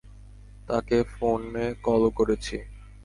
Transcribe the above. তাকে ফোনে কলও করেছি।